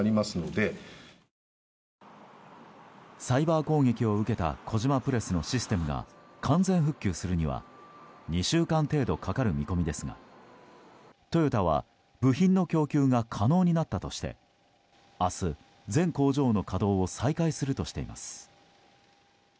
サイバー攻撃を受けた小島プレスのシステムが完全復旧するには２週間程度かかる見込みですがトヨタは部品の供給が可能になったとして明日、全工場の稼働を再開するとしています。